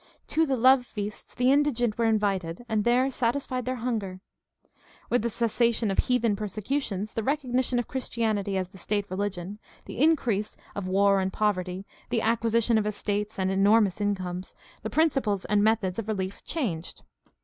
To the ''love feasts" the indigent were invited and there satisfied their hunger. With the cessation of heathen persecutions, the recognition of Christianity as the state religion, the increase of war and poverty, the acquisition of estates and enormous incomes, the principles and methods of relief changed.